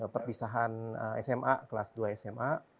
perpisahan sma kelas dua sma